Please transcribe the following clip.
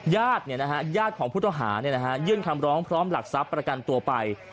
ญาติของพุทธวาหาเนี่ยนะฮะยื่นคำร้องพร้อมหลักทรัพย์ประกันตัวไป